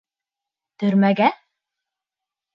-Төрмәгә?